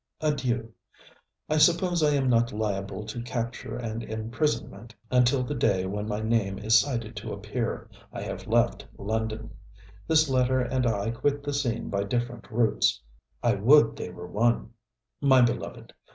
Adieu. I suppose I am not liable to capture and imprisonment until the day when my name is cited to appear. I have left London. This letter and I quit the scene by different routes I would they were one. My beloved!